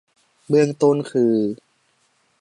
เบื้องต้นคือ